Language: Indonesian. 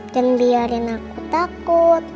jangan biarkan aku takut